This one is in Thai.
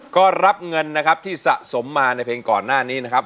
ก็รับเงินนะครับที่สะสมมาในเพลงก่อนหน้านี้นะครับ